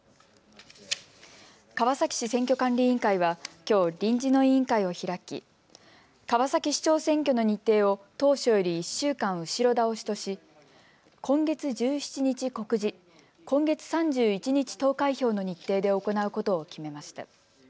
川崎市選挙管理委員会はきょう臨時の委員会を開き川崎市長選挙の日程を当初より１週間後ろ倒しとし今月１７日告示、今月３１日投開票の日程で行うことを決めました。